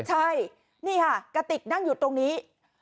ใช่นี่ค่ะกระติกนั่งอยู่ตรงนี้